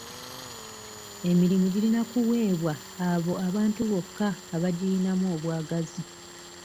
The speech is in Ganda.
Emirimu girina kuweebwa abo abantu bokka abagiyinamu obwagazi.